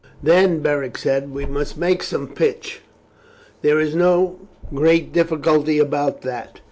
"Then," Beric said, "we must make some pitch. There is no great difficulty about that.